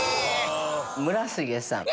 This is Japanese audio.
村重さん。